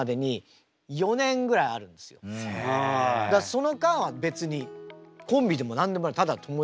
その間は別にコンビでも何でもないただの友達。